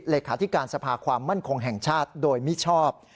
เลขาธิการสภาความมั่นคงแห่งชาติโดยมิชอบ